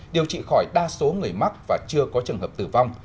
điều trị khỏi đa số người mắc và chưa có trường hợp tử vong